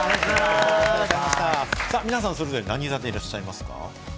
皆さんはそれぞれ何座でいらっしゃいますか？